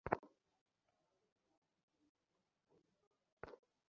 এই টেলিগ্রামটা ডিকোড করে ছক্কা পিটিয়ে দিয়েছ!